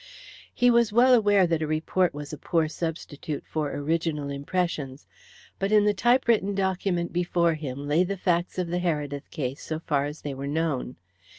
He was well aware that a report was a poor substitute for original impressions, but in the typewritten document before him lay the facts of the Heredith case so far as they were known.